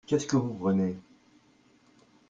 Qu'est-ce que vous prenez ?